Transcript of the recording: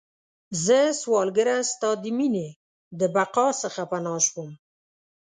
زه سوالګره ستا د میینې، د بقا څخه پناه شوم